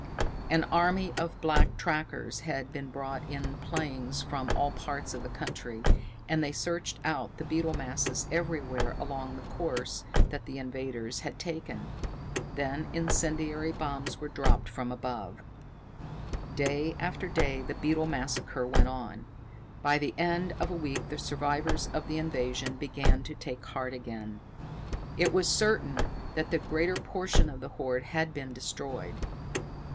An army of black trackers had been brought in planes from all parts of the country, and they searched out the beetle masses everywhere along the course that the invaders had taken. Then incendiary bombs were dropped from above. Day after day the beetle massacre went on. By the end of a week the survivors of the invasion began to take heart again. It was certain that the greater portion of the horde had been destroyed.